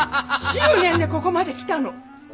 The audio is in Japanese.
執念でここまで来たの！